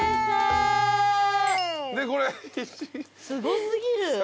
すご過ぎる。